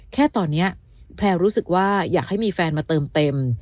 แค่ตอนนี้แพลวรู้สึกว่าอยากให้มีแฟนมาเติมเต็ม